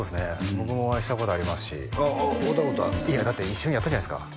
僕もお会いしたことありますしああ会うたことあんねやいやだって一緒にやったじゃないですか